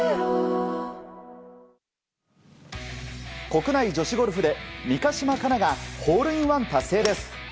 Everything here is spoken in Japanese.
国内女子ゴルフで三ヶ島かながホールインワン達成です。